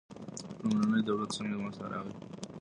لومړنی دولت څنګه منځ ته راغی.